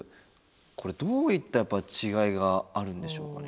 これどういった違いがあるんでしょうかね？